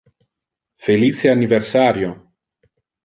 Felice anniversario